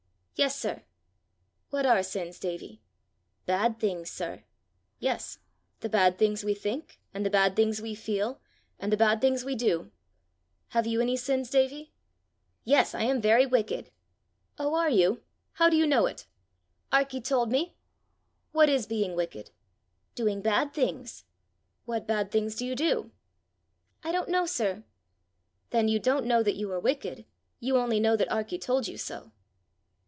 "Yes, sir." "What are sins, Davie?" "Bad things, sir." "Yes; the bad things we think, and the bad things we feel, and the bad things we do. Have you any sins, Davie?" "Yes; I am very wicked." "Oh! are you? How do you know it?" "Arkie told me." "What is being wicked?" "Doing bad things." "What bad things do you do?" "I don't know, sir." "Then you don't know that you are wicked; you only know that Arkie told you so!"